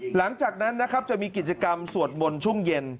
หลังจากนั้นจะมีกิจกรรมสวดมนต์ชุ่งเย็น